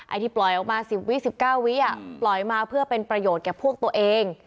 ที่ปล่อยออกมา๑๐วิ๑๙วิปล่อยมาเพื่อเป็นประโยชน์แก่พวกตัวเอง